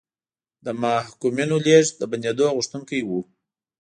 د محکومینو لېږد د بندېدو غوښتونکي وو.